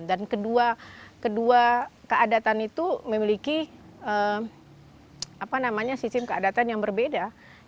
dan kedua keadatan itu memiliki apa namanya sisim keadatan yang berbeda